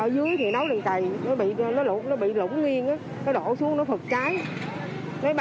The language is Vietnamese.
ba người nấu đèn cháy nó bị lụn nguyên nó đổ xuống nó thật cháy